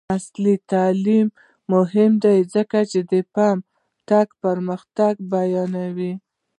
عصري تعلیم مهم دی ځکه چې د فین ټیک پرمختګ بیانوي.